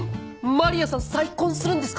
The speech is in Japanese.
真理亜さん再婚するんですか？